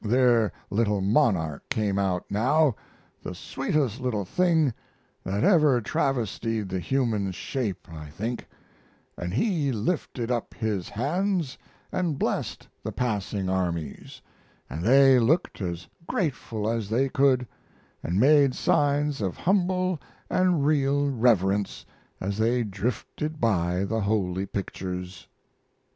Their little monarch came out now, the sweetest little thing that ever travestied the human shape I think, and he lifted up his hands and blessed the passing armies, and they looked as grateful as they could, and made signs of humble and real reverence as they drifted by the holy pictures.